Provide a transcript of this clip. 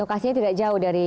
lokasinya tidak jauh dari